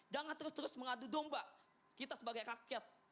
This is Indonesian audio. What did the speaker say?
jangan terus terus mengadu domba kita sebagai rakyat